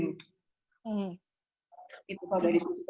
itu pada sisi